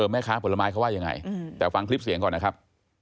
แม่ค้าผลไม้เขาว่ายังไงแต่ฟังคลิปเสียงก่อนนะครับ